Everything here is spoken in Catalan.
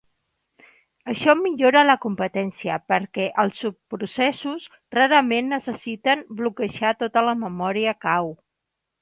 Això millora la competència, perquè els subprocessos rarament necessiten bloquejar tota la memòria cau.